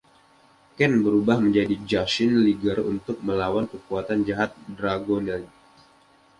Ken berubah menjadi Jushin Liger untuk melawan kekuatan jahat Dragonite!